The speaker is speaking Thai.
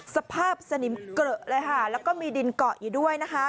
สภาพสนิมเกลอะเลยค่ะแล้วก็มีดินเกาะอยู่ด้วยนะคะ